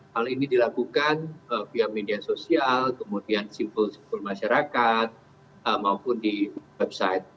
hal ini dilakukan via media sosial kemudian simpul simpul masyarakat maupun di website